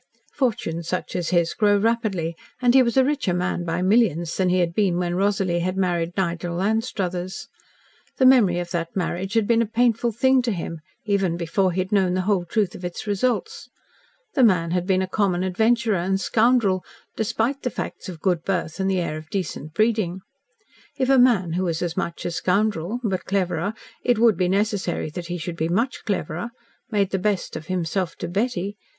Fortunes such as his grow rapidly, and he was a richer man by millions than he had been when Rosalie had married Nigel Anstruthers. The memory of that marriage had been a painful thing to him, even before he had known the whole truth of its results. The man had been a common adventurer and scoundrel, despite the facts of good birth and the air of decent breeding. If a man who was as much a scoundrel, but cleverer it would be necessary that he should be much cleverer made the best of himself to Betty